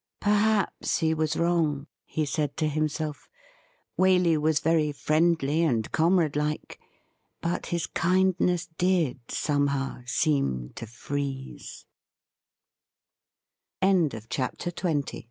Perhaps he was wrong, he said to himself. Waley was very friendly and comradelike, but his kindness did somehow seem to free